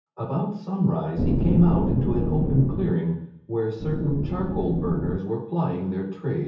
About sunrise he came out into an open clearing where certain charcoal burners were plying their trade.